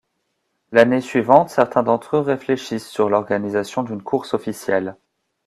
L'année suivante, certains d'entre eux réfléchissent sur l'organisation d'une course officielle.